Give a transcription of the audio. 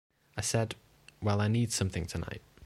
I said, 'Well, I need something tonight.